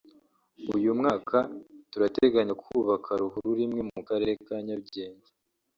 …uyu mwaka turateganya kubaka ruhurura imwe mu karere ka Nyarugenge